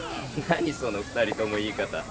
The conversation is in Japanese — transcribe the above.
何その２人とも言い方。